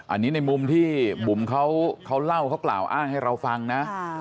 อันนี้ในมุมที่บุ๋มเขาเล่าเขากล่าวอ้างให้เราฟังนะ